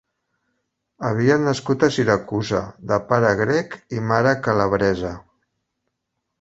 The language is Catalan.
Havia nascut a Siracusa, de pare grec i mare calabresa.